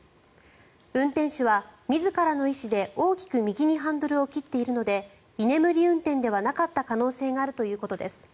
運転手は自らの意思で大きく右にハンドルを切っているので居眠り運転ではなかった可能性があるということです。